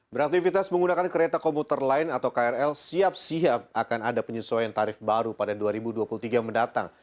beraktivitas menggunakan kereta komuter lain atau krl siap siap akan ada penyesuaian tarif baru pada dua ribu dua puluh tiga mendatang